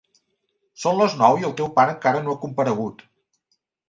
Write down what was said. Són les nou i el teu pare encara no ha comparegut.